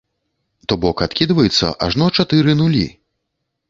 То бок адкідваецца ажно чатыры нулі!